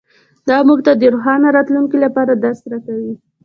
دا موږ ته د روښانه راتلونکي لپاره درس راکوي